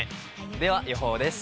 では予報です。